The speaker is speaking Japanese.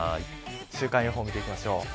週間予報、見ていきましょう。